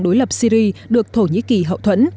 đối lập syri được thổ nhĩ kỳ hậu thuẫn